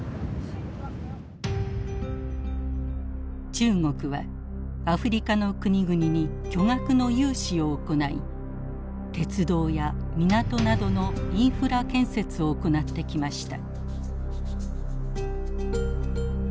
中国はアフリカの国々に巨額の融資を行い鉄道や港などのインフラ建設を行ってきました。